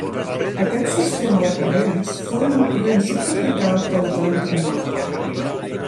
Aquest sistema de corrents forma el corrent subtropical de l'Atlàntic Nord.